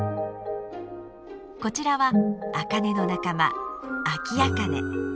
こちらはアカネの仲間アキアカネ。